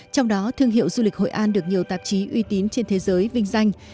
trong đó thương hiệu du lịch hội an được nhiều tạp chí uy tín trên thế giới vinh danh